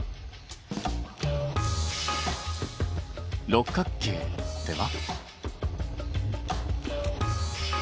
六角形では？